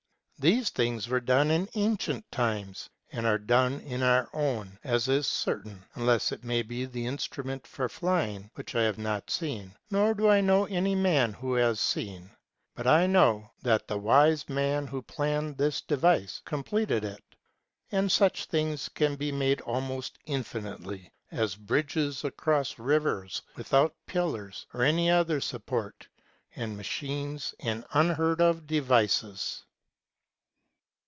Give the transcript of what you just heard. These things were done in ancient times, and are done in our own, as is certain, unless it may be the instrument for flying, which I have not seen, nor do I know any man who has seen ; but I know that the wise man who planned this device completed it. And such things can be made almost infinitely, as bridges across rivers without pillars or any other support, and machines, and unheard of devices.